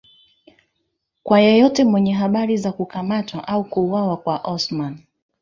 kwa yeyote mwenye habari za kukamatwa au kuuwawa kwa Osama